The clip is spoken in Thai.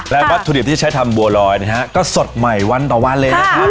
แล้วก็รสสนิทที่ใช้ทำบัวลอยนะฮะก็สดใหม่วันต่อวาเลนะคะฮือ